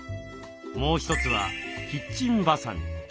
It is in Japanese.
もう一つはキッチンばさみ。